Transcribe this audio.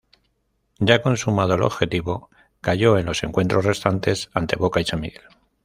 Ya consumado el objetivo, cayó en los encuentros restantes ante Boca y San Miguel.